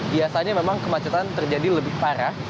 biasanya memang kemacetan terjadi lebih parah